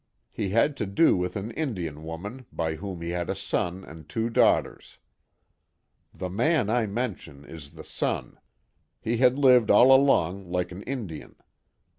He had to do wilh an Indian woman, by whoin he had a son and two daughters. The man I mention is the son. He had lived all along like an Indian.